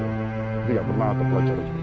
kita nggak pernah atau pelajaran seperti itu